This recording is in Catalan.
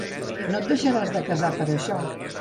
No et deixaràs de casar per això.